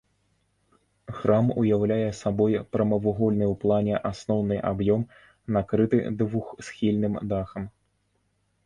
Храм уяўляе сабой прамавугольны ў плане асноўны аб'ём накрыты двухсхільным дахам.